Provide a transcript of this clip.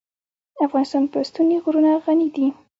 افغانستان په ستوني غرونه غني دی.